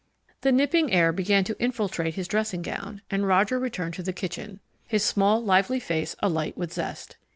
The nipping air began to infiltrate his dressing gown, and Roger returned to the kitchen, his small, lively face alight with zest.